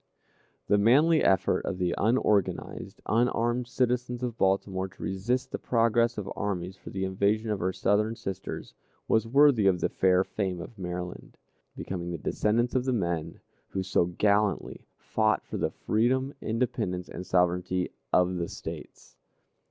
The manly effort of the unorganized, unarmed citizens of Baltimore to resist the progress of armies for the invasion of her Southern sisters, was worthy of the fair fame of Maryland; becoming the descendants of the men who so gallantly fought for the freedom, independence, and sovereignty of the States.